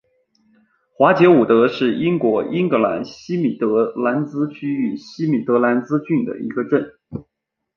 华捷伍德是英国英格兰西米德兰兹区域西米德兰兹郡的一个镇。